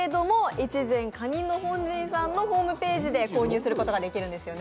越前蟹の本陣さんのホームページで購入することができるんですね。